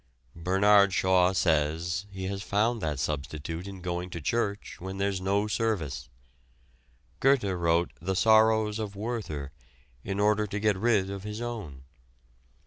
Bernard Shaw says he has found that substitute in going to church when there's no service. Goethe wrote "The Sorrows of Werther" in order to get rid of his own.